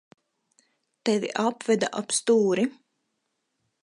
Tevi apveda ap stūri.